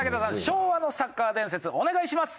昭和のサッカー伝説お願いします。